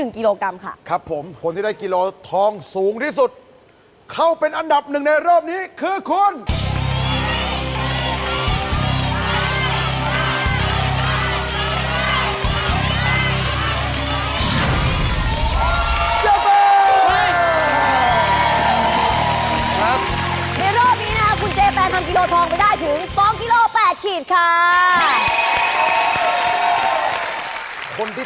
ขอให้ทุกท่านโชคดี